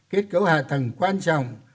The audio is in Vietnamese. kết cấu hạ tầng quan trọng